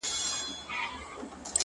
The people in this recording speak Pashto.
له خپل ځان سره ږغيږي’